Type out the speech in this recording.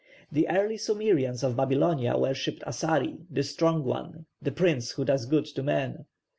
The early Sumerians of Babylonia worshipped Asari, 'the strong one,' 'the prince who does good to men.'